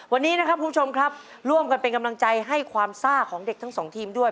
วันนี้นะครับคุณผู้ชมครับร่วมกันเป็นกำลังใจให้ความซ่าของเด็กทั้งสองทีมด้วย